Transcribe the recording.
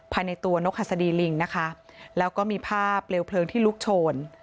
ภายในตัวนกหัสดีลิงนะคะแล้วก็มีภาพเปลวเพลิงที่ลุกโชน